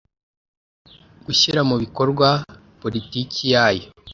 Gushyira mu bikorwa politiki yayo